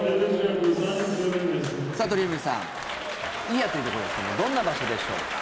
鳥海さん祖谷というところですけどどんな場所でしょうか。